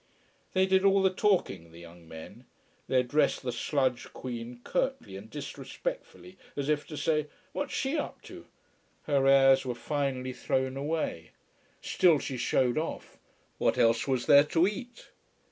They did all the talking the young men. They addressed the sludge queen curtly and disrespectfully, as if to say: "What's she up to?" Her airs were finely thrown away. Still she showed off. What else was there to eat?